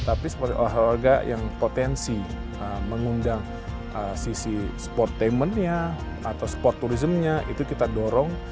tapi seperti olahraga yang potensi mengundang sisi sportainmentnya atau sporturismenya itu kita dorong